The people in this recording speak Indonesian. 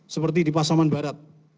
seperti di pasaman barat